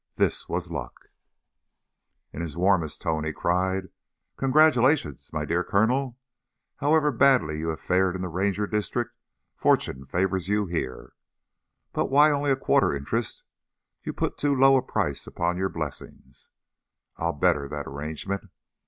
This was luck! In his warmest tone he cried: "Congratulations, my dear Colonel. However badly you have fared in the Ranger district, fortune favors you here. But why only a quarter interest? You put too low a price upon your blessings. I'll better that arrangement.